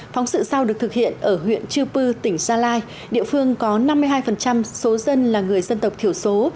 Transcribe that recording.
phóng sự sau được thực hiện ở huyện chư pư tỉnh gia lai địa phương có năm mươi hai số dân là người dân tộc thiểu số